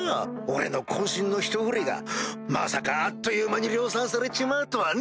俺の渾身のひと振りがまさかあっという間に量産されちまうとはね。